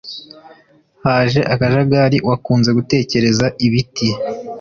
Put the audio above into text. Haje akajagari Wakunze gutekereza ibiti